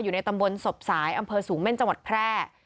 อยู่ในตำบลศพสายอำเภอสูงเม่นจังหวัดแพร่